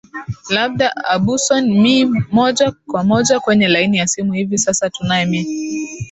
labda abuso mi moja kwa moja kwenye laini ya simu hivi sasa tunae me